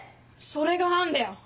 それが何だよ？